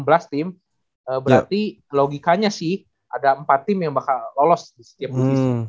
tim berarti logikanya sih ada empat tim yang bakal lolos di setiap judisi